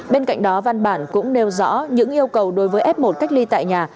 bên cạnh đó văn bản cũng nêu rõ những yêu cầu đối với f một cách ly tại nhà